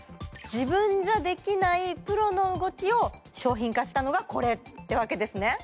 自分ができないプロの動きを商品化したのがこれってわけですね。